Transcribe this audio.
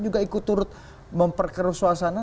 juga ikut turut memperkeruh suasana